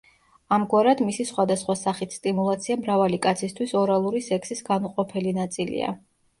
ამგვარად მისი სხვადასხვა სახით სტიმულაცია მრავალი კაცისთვის ორალური სექსის განუყოფელი ნაწილია.